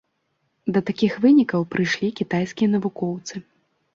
Да такіх вынікаў прыйшлі кітайскія навукоўцы.